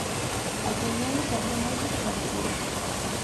Aquel neno sabía máis do que parecía.